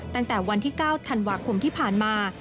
ตั้งแต่วันที่๙ธันวาคมที่ผ่านมา